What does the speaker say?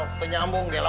kita nyambung gelok